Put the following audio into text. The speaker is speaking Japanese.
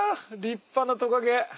立派なトカゲ。